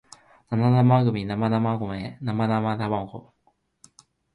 七生麦七生米七生卵